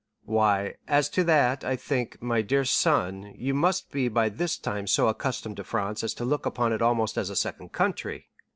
"Why, as to that—I think, my dear son, you must be by this time so accustomed to France as to look upon it almost as a second country."